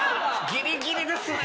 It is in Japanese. ギリギリですね。